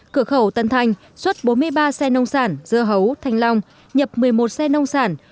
cửa khẩu tân thanh xuất bốn mươi ba xe nông sản dưa hấu thanh long nhập một mươi một xe nông sản